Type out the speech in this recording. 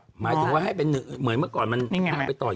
หมายถึงว่าให้เป็นเหมือนเมื่อก่อนมันพาไปต่อย